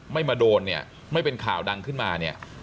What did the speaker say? ไม่มาโดนเนี่ยไม่เป็นข่าวดังขึ้นมาเนี่ย